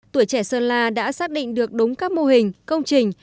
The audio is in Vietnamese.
tuổi trẻ sơn la đã xác định được đúng các mô hình công trình